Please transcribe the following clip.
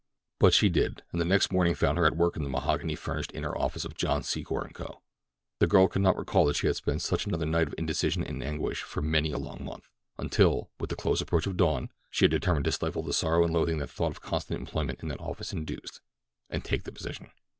But she did, and the next morning found her at work in the mahogany furnished inner office of John Secor & Co. The girl could not recall that she had spent such another night of indecision and anguish for many a long month, until, with the close approach of dawn, she had determined to stifle the sorrow and loathing that thought of constant employment in that office induced, and take the position.